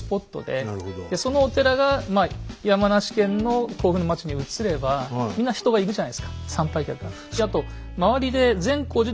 そのお寺が山梨県の甲府の町に移ればみんな人が行くじゃないですか参拝客が。